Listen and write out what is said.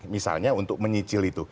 misalnya untuk menyicil itu